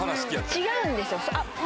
違うんですよ。